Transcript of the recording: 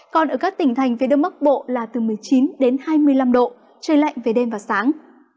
còn ở các tỉnh thành phía đông bắc bộ là từ một mươi chín đến hai mươi năm độ trời lạnh về đêm và sáng